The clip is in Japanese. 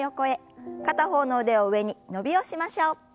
片方の腕を上に伸びをしましょう。